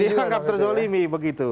dianggap terzolimi begitu